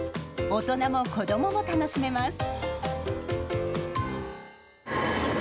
大人も子どもも楽しめます。